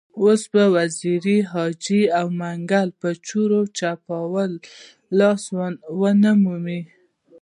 اوس به وزیري، جاجي او منګل په چور او چپاول لاس ونه مومي.